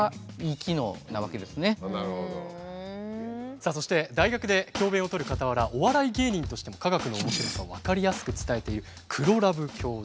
さあそして大学で教鞭を執るかたわらお笑い芸人としても科学の面白さを分かりやすく伝えている黒ラブ教授。